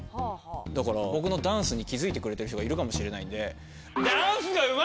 だから僕のダンスに気付いてくれてる人がいるかもしれないんで。